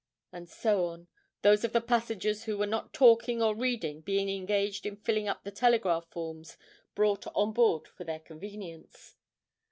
and so on, those of the passengers who were not talking or reading being engaged in filling up the telegraph forms brought on board for their convenience.